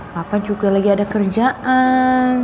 papa juga lagi ada kerjaan